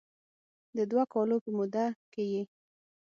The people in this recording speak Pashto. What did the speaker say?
د دوه کالو په موده کې یې